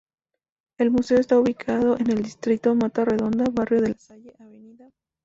El Museo está ubicado en el distrito Mata Redonda, Barrio La Salle, Av.